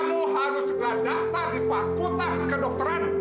kamu harus segera daftar di fakultas kedokteran